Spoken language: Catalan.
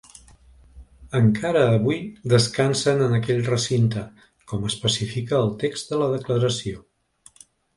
Encara avui descansen en aquell recinte, com especifica el text de la declaració.